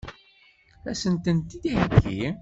Ad sent-tent-id-iheggi?